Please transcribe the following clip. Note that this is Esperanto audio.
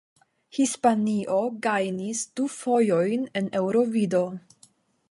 Hispanio gajnis du fojojn en Eŭrovido.